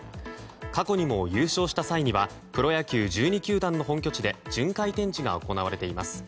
過去にも、優勝した際にはプロ野球１２球団の本拠地で巡回展示が行われています。